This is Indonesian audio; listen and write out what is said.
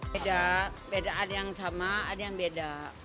beda beda ada yang sama ada yang beda